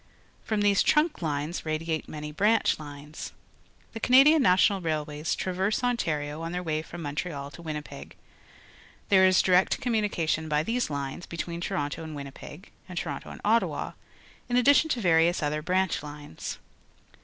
From these trunk lines radiate many branch lines. The Canadian National Railways traverse Ontario on their ^^ay from Montreal to Winnipeg. Xhere is direct communication by these TTnes between Toronto and^ Win nipeg and Toronto and Ottawa, in addition to various other branch lines.